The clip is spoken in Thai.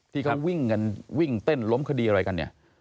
ที่เขาวิ่งกันวิ่งเต้นล้มคดีอะไรกันเนี่ย